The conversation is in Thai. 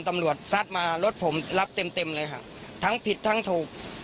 ซัดมารถผมรับเต็มเต็มเลยค่ะทั้งผิดทั้งถูก